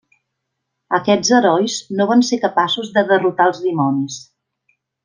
Aquests herois no van ser capaços de derrotar els dimonis.